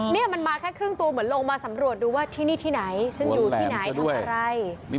นี่มันมาแค่ครึ่งตัวเหมือนลงมาสำรวจดูว่าที่นี่ที่ไหนฉันอยู่ที่ไหนทำอะไร